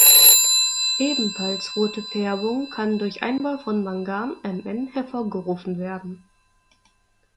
Ebenfalls rote Färbung kann durch Einbau von Mangan (Mn) hervorgerufen werden.